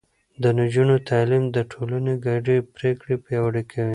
د نجونو تعليم د ټولنې ګډې پرېکړې پياوړې کوي.